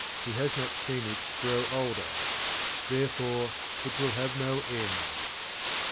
He has not seen it grow older; therefore it will have no end.